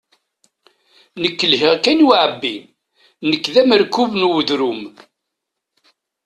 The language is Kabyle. Nekk lhiɣ kan i uɛebbi, nekk d amerkub n udrum.